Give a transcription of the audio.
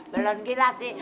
belum gila sih